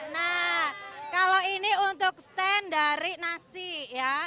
nah kalau ini untuk stand dari nasi ya